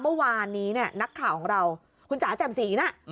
เมื่อวานนี้เนี่ยนักข่าวของเราคุณจ๋าแจ่มสีน่ะ